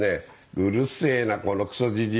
「うるせえなこのクソじじい。